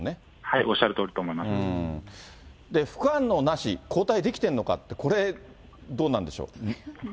おっしゃるとおりだと思いま副反応なし、抗体出来てるのかって、これ、どうなんでしょう。